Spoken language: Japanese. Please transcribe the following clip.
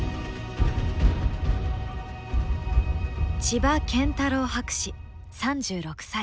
千葉謙太郎博士３６歳。